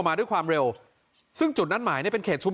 ส่งมาขอความช่วยเหลือจากเพื่อนครับ